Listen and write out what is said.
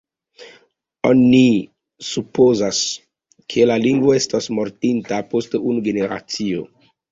Oni supozas, ke la lingvo estos mortinta post unu generacio.